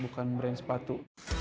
bukan brand sepatu